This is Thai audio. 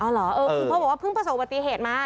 เหรอคุณพ่อบอกว่าเพิ่งประสบปฏิเหตุมา